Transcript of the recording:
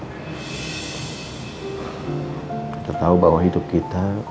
kita tahu bahwa hidup kita